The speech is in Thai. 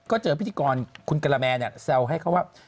ก็เจอพิธีกรคุณกะละแมแซวให้เขาว่า